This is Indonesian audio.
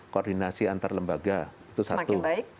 koordinasi antar lembaga itu satu